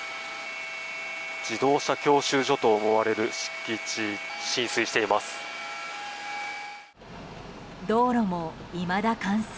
自動車教習所と思われる敷地浸水しています。